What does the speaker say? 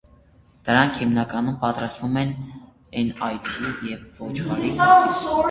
Դրանք հիմնականում պատրաստվում են են այծի և ոչխարի կաթից։